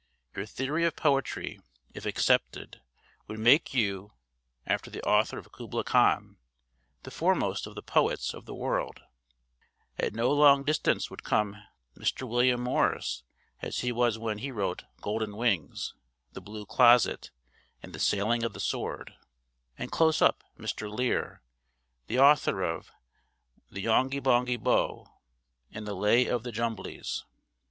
Your theory of poetry, if accepted, would make you (after the author of 'Kubla Khan') the foremost of the poets of the world; at no long distance would come Mr. William Morris as he was when he wrote 'Golden Wings,' 'The Blue Closet,' and 'The Sailing of the Sword;' and, close up, Mr. Lear, the author of 'The Yongi Bongi Bo,' and the lay of the 'Jumblies.'